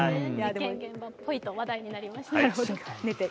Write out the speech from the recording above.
事件現場っぽいと話題になりました。